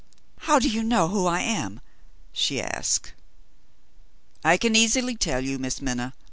"How do you know who I am?" she asked. "I can easily tell you, Miss Minna.